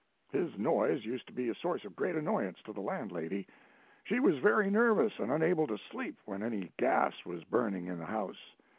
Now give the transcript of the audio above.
"His noise used to be a source of great annoyance to the landlady. She was very nervous and unable to sleep when any gas was burning in the house.